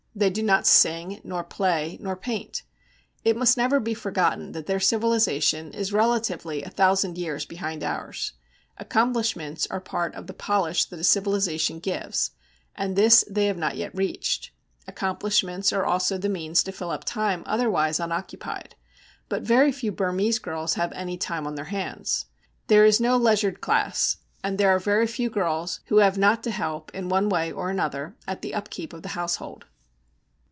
They do not sing, nor play, nor paint. It must never be forgotten that their civilization is relatively a thousand years behind ours. Accomplishments are part of the polish that a civilization gives, and this they have not yet reached. Accomplishments are also the means to fill up time otherwise unoccupied; but very few Burmese girls have any time on their hands. There is no leisured class, and there are very few girls who have not to help, in one way or another, at the upkeep of the household.